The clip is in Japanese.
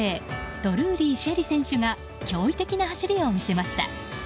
ドルーリー朱瑛里選手が驚異的な走りを見せました。